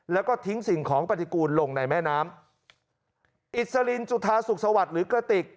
แล้วก็ทิ้งสิ่งของปฏิกูลลงในแม่น้ำอิสลินจุธาสุขสวัสดิ์หรือกระติก